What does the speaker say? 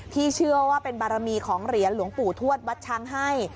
เชื่อว่าเป็นบารมีของเหรียญหลวงปู่ทวดวัดช้างให้